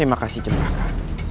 terima kasih j raspberry